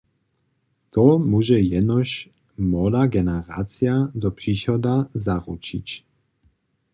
To móže jenož młoda generacija do přichoda zaručić.